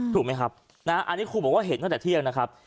ถูกไหมครับอันนี้ครูบอกว่าเห็นตั้งแต่เที่ยงนะครับ